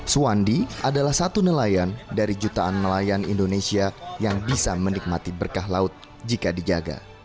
suwandi adalah satu nelayan dari jutaan nelayan indonesia yang bisa menikmati berkah laut jika dijaga